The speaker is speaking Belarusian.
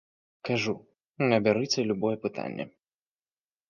Кажу, абярыце любое пытанне.